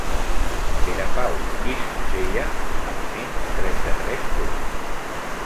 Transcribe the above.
Perepau Llistosella—, amb menys trenta-tres punts.